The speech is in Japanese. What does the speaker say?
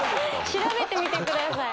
調べてみてください。